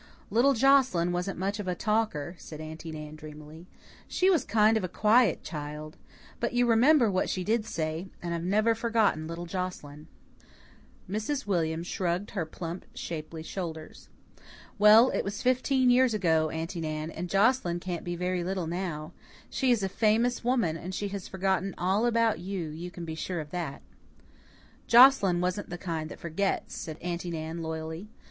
"Little Joscelyn wasn't much of a talker," said Aunty Nan dreamily. "She was kind of a quiet child. But you remember what she did say. And I've never forgotten little Joscelyn." Mrs. William shrugged her plump, shapely shoulders. "Well, it was fifteen years ago, Aunty Nan, and Joscelyn can't be very 'little' now. She is a famous woman, and she has forgotten all about you, you can be sure of that." "Joscelyn wasn't the kind that forgets," said Aunty Nan loyally.